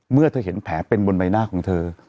เมื่อเธอเห็นแผลเป็นบนใบหน้าของเธอ